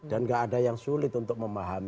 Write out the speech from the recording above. dan gak ada yang sulit untuk memahami